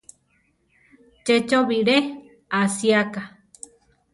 Che cho bilé asiáka.